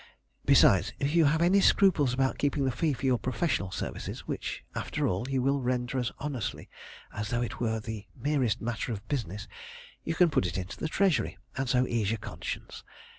Besides, if you have any scruples about keeping the fee for your professional services which, after all, you will render as honestly as though it were the merest matter of business you can put it into the treasury, and so ease your conscience.